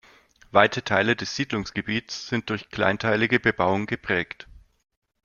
Weite Teile des Siedlungsgebietes sind durch kleinteilige Bebauung geprägt.